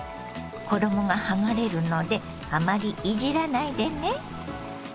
衣が剥がれるのであまりいじらないでね。